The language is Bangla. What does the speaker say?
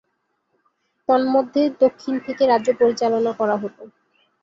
তন্মধ্যে, দক্ষিণ থেকে রাজ্য পরিচালনা করা হতো।